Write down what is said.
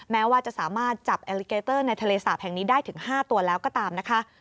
แม้ว่าจะสามารถจับแอลลิเกเตอร์ในทะเลสาปแห่งนี้ได้ถึง๕ตัวแล้วก็ตามนะคะ